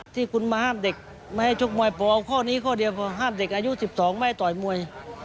ที่คุณมาห้ามเด็กไม่ให้ชกมวยพอเอาข้อนี้ข้อเดียวพอห้ามเด็กอายุ๑๒ไม่ให้ต่อยมวย